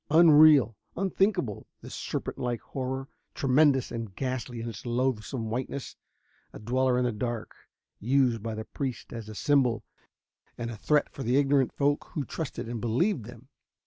Unreal, unthinkable, this serpentlike horror, tremendous and ghastly in its loathsome whiteness. A dweller in the dark, used by the priests as a symbol and a threat for the ignorant folk who trusted and believed them.